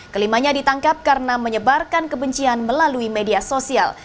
kelimanya ditangkap karena menyebarkan kebencian melalui media sosial